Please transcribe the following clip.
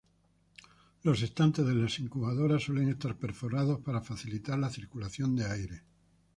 Los estantes de las incubadoras suelen estar perforados para facilitar la circulación de aire.